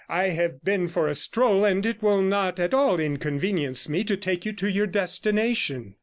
I have been for a stroll, and it will not at all inconvenience me to take you to your destination.'